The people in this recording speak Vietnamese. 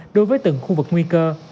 đối với từng khu vực nguy cơ